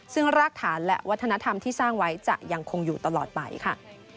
ซึ่งรากฐานและวัฒนธรรมที่สร้างไว้จะยังคงอยู่ตลอดไปค่ะ